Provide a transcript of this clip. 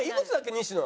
西野。